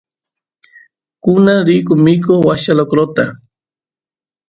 kunan mikoq riyku washcha lokro